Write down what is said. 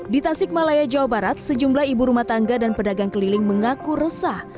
di tasik malaya jawa barat sejumlah ibu rumah tangga dan pedagang keliling mengaku resah